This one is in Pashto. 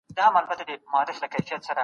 څومره کتابونه په دې کتابتون کي شتون لري؟